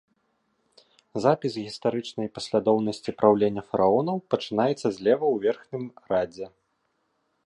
Запіс гістарычнай паслядоўнасці праўлення фараонаў пачынаецца злева ў верхнім радзе.